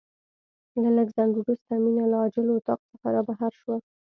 له لږ ځنډ وروسته مينه له عاجل اتاق څخه رابهر شوه.